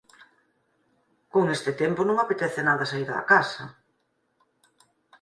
Con este tempo non apetece nada saír da casa.